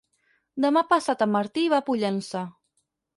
Demà passat en Martí va a Pollença.